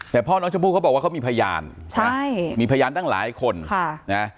แต่พ่อน้องชมพู่เขาบอกว่าเขามีพยานใช่มีพยานตั้งหลายคนค่ะนะ